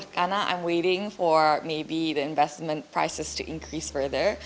karena aku menunggu harga investasi akan meningkat lagi